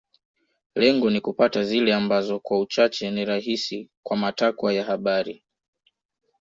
Lengo ni kupata zile ambazo kwa uchache ni rahisi kwa matakwa ya habari